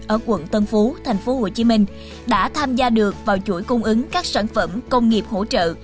ở quận tân phú tp hcm đã tham gia được vào chuỗi cung ứng các sản phẩm công nghiệp hỗ trợ